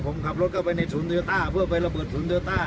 ผมขับรถเข้าไปในศูนย์โยต้าเพื่อไประเบิดศูนเดลต้า